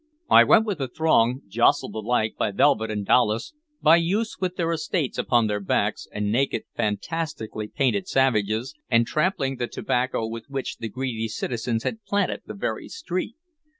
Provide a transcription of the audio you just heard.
I went with the throng, jostled alike by velvet and dowlas, by youths with their estates upon their backs and naked fantastically painted savages, and trampling the tobacco with which the greedy citizens had planted the very street.